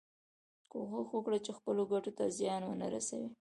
کوښښ وکړه خپلو ګټو ته زیان ونه رسوې.